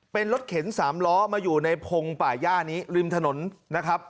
เป็นรถเข็นสามล้อมาอยู่ในพงป่าย่านี้ริมถนนนะครับ